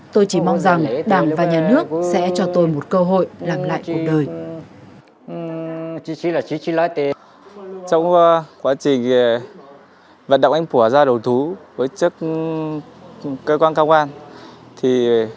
tôi chỉ mong rằng đảng và nhà nước sẽ cho tôi một cơ hội làm lại cuộc đời